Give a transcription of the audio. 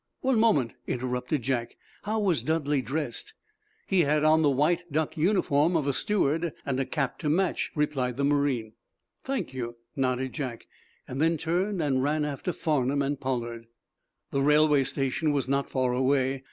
"One moment," interrupted Jack. "How was Dudley dressed?" "He had on the white duck uniform of a steward, and cap to match," replied the marine. "Thank you," nodded Jack, then turned and ran after Farnum and Pollard. The railway station was not far away.